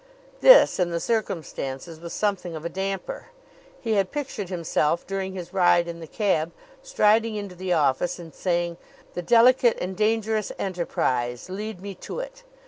This, in the circumstances, was something of a damper. He had pictured himself, during his ride in the cab, striding into the office and saying. "The delicate and dangerous enterprise. Lead me to it!"